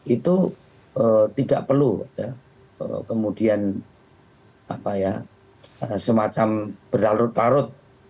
itu tidak perlu kemudian semacam berlarut larut